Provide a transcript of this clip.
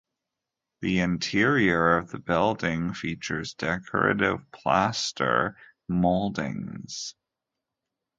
The interior of the building features decorative plaster moldings.